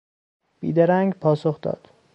بیدرنگ پاسخ داد.